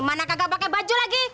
mana kagak pakai baju lagi